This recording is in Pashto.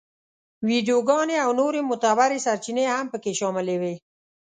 ویډیوګانې او نورې معتبرې سرچینې هم په کې شاملې وې.